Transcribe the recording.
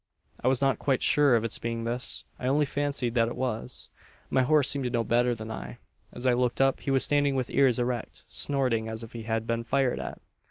"I was not quite sure of its being this. I only fancied that it was. "My horse seemed to know better than I. As I looked up, he was standing with ears erect, snorting, as if he had been fired at!